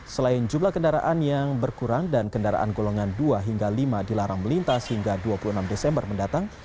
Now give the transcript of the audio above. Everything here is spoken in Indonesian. selain jumlah kendaraan yang berkurang dan kendaraan golongan dua hingga lima dilarang melintas hingga dua puluh enam desember mendatang